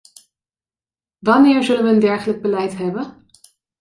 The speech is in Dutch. Wanneer zullen wij een dergelijk beleid hebben?